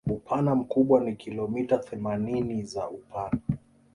Upana mkubwa ni kilometa themanini za upana